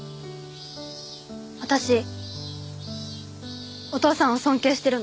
私お父さんを尊敬してるの。